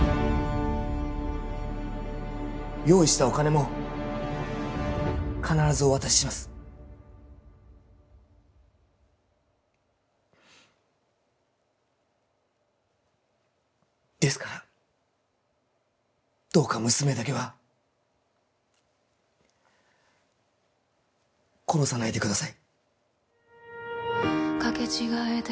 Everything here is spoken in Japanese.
用意したお金も必ずお渡ししますですからどうか娘だけは殺さないでください